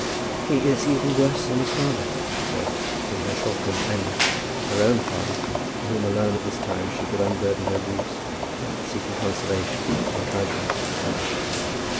"He is even worse than his father," she said, in her short lived anger, to her own father, to whom alone at this time she could unburden her griefs, seeking consolation and encouragement.